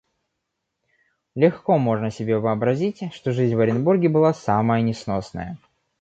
Легко можно себе вообразить, что жизнь в Оренбурге была самая несносная.